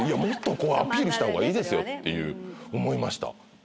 もっとこうアピールしたほうがいいですよって思いました。